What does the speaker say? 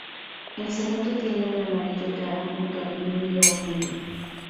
El segundo tiene un amarillo claro junto al vinilo negro.